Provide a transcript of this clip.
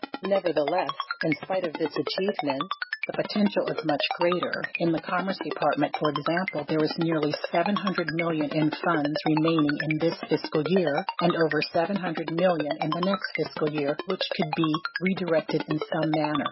Nevertheless, in spite of this achievement, the potential is much greater. In the Commerce Department, for example, there is nearly $700 million in funds remaining in this fiscal year and over $700 million in next fiscal year which could be redirected in some manner.